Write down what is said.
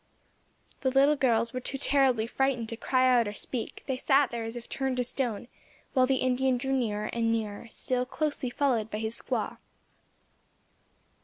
The little girls were too terribly frightened to cry out or speak, they sat there as if turned to stone, while the Indian drew nearer and nearer still closely followed by his squaw.